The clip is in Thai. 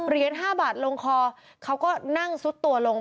เหรียญ๕บาทลงคอเขาก็นั่งสุดตัวลง